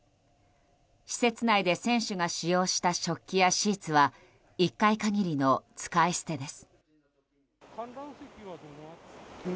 施設内で選手が使用した食器やシーツは１回限りの使い捨てです。